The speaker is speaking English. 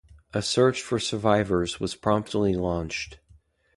A search for survivors was promptly launched.